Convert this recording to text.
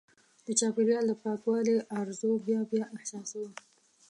د چاپېریال د پاکوالي ارزو بیا بیا احساسوو.